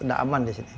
udah aman disini